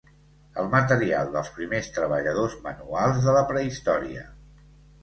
El material dels primers treballadors manuals de la prehistòria.